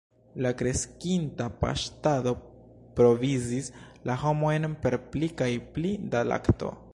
La kreskinta paŝtado provizis la homojn per pli kaj pli da lakto.